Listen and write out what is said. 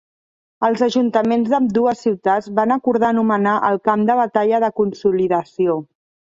Els ajuntaments d'ambdues ciutats van acordar anomenar el Camp de Batalla de consolidació.